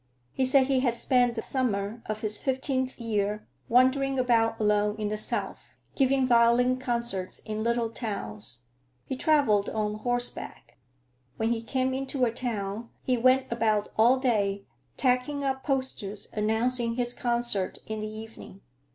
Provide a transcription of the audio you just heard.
He said he had spent the summer of his fifteenth year wandering about alone in the South, giving violin concerts in little towns. He traveled on horseback. When he came into a town, he went about all day tacking up posters announcing his concert in the evening.